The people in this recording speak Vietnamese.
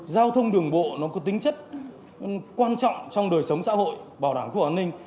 giao thông đường bộ có tính chất quan trọng trong đời sống xã hội bảo đảm của quản linh